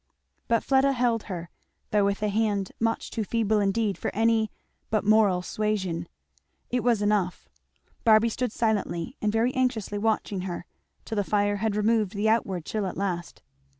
But Fleda held her, though with a hand much too feeble indeed for any but moral suasion. It was enough. Barby stood silently and very anxiously watching her, till the fire had removed the outward chill at least.